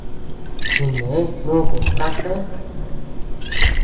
Jine nuku tasé.